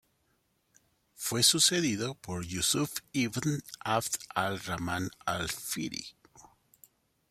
Fue sucedido por Yusuf ibn 'Abd al-Rahman al-Fihri.